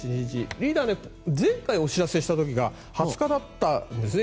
リーダー、前回お知らせした時が２０日だったんですね。